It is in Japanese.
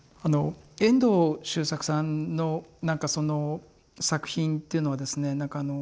あの遠藤周作さんのなんかその作品っていうのはですね